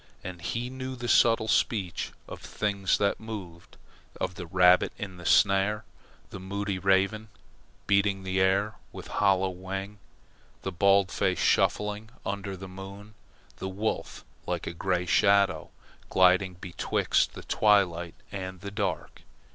And he knew the subtle speech of the things that moved, of the rabbit in the snare, the moody raven beating the air with hollow wing, the baldface shuffling under the moon, the wolf like a grey shadow gliding betwixt the twilight and the dark.